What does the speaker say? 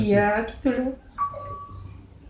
iya gitu loh